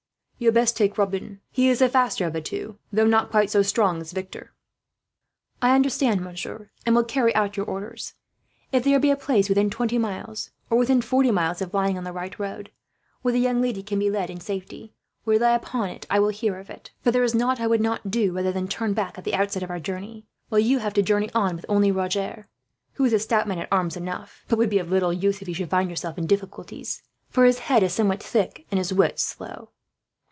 "You had best take Robin. He is the faster of the two, though not quite so strong as Victor." "I understand, monsieur, and will carry out your orders. If there be a place within twenty miles or within forty, if lying on the right road where the young lady can be left in safety, rely upon it I will hear of it; for there is nought I would not do, rather than turn back at the outset of our journey, while you have to journey on with only Roger, who is a stout man at arms enough, but would be of little use if you should find yourself in difficulties; for his head is somewhat thick, and his wits slow."